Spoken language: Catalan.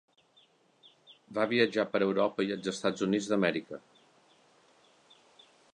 Va viatjar per Europa i els Estats Units d'Amèrica.